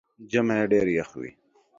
ژمئ ډېر يخ وي